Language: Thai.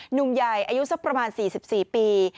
หนุ่มใหญ่อายุสักประมาณ๔๔ปี